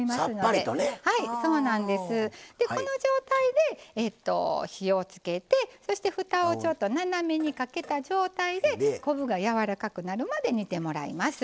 でこの状態で火をつけてそしてふたをちょっと斜めにかけた状態で昆布がやわらかくなるまで煮てもらいます。